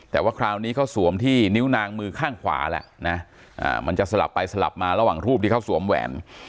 แต่ว่าคราวนี้เขาสวมที่นิ้วนางมือข้างขวาแล้วนะมันจะสลับไปสลับมาระหว่างรูปที่เขาสวมแหวน